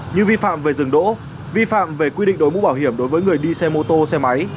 như vi phạm về rừng đỗ vi phạm về quy định đối mũ bảo hiểm đối với người đi xe mô tô xe máy